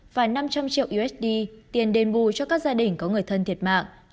và năm trăm linh triệu usd tiền đền bù cho các gia đình có người thân thiệt mạng